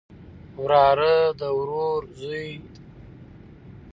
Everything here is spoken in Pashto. وراره د ورور زوی